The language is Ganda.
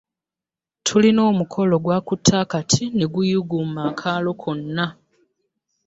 Tulina omukolo gwakutte akati ne guyuuguma akaalo konna.